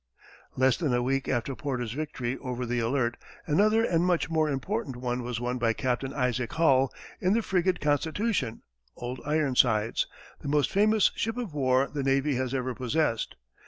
Less than a week after Porter's victory over the Alert, another and much more important one was won by Captain Isaac Hull in the frigate Constitution "Old Ironsides" the most famous ship of war the navy has ever possessed.